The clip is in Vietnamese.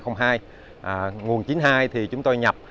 nguồn chín mươi hai thì chúng tôi nhập